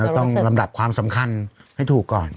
ต้องลำดับความสำคัญให้ถูกก่อน